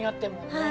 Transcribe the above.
はい。